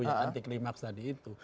ya anti klimaks tadi itu